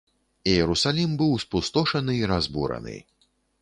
Іерусалім быў спустошаны і разбураны.